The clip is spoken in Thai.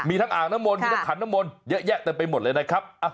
มีทั้งอ่างน้ำมนต์มีทั้งขันน้ำมนต์เยอะแยะเต็มไปหมดเลยนะครับ